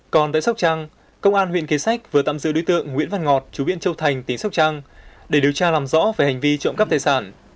còn tại sóc trăng công an huyện kế sách vừa tạm giữ đối tượng nguyễn văn ngọt chú viện châu thành tỉ sóc trăng để điều tra làm rõ về hành vi trộm cắp tài sản